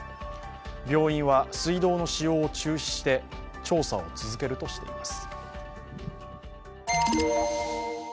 病院は、水道の使用を中止して調査を続けるとしています。